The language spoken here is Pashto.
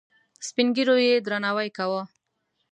سپین ږیرو یې درناوی کاوه.